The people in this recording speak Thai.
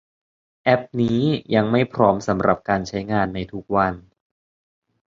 แอพนี้ยังไม่พร้อมสำหรับการใช้งานในทุกวัน